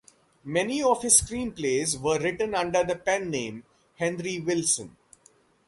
Many of his screenplays were written under the pen name Henry Wilson.